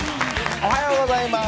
おはようございます。